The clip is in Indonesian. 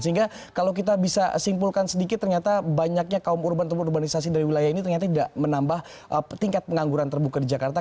sehingga kalau kita bisa simpulkan sedikit ternyata banyaknya kaum urban atau urbanisasi dari wilayah ini ternyata tidak menambah tingkat pengangguran terbuka di jakarta